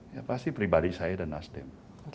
ya pasti pribadi saya dan nasdem